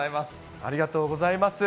ありがとうございます。